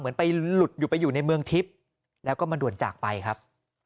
เหมือนไปหลุดอยู่ไปอยู่ในเมืองทิพย์แล้วก็มาด่วนจากไปครับ